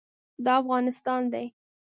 دا افغانستان دی.